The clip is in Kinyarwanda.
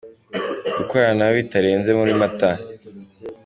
Gukorana na we bitarenze muri Mata.